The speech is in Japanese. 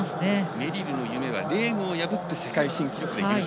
メリルの夢はレームを破って世界新記録で優勝。